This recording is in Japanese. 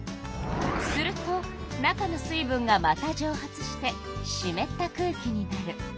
すると中の水分がまたじょう発してしめった空気になる。